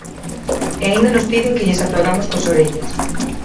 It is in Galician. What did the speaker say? E aínda nos piden que lles aplaudamos coas orellas.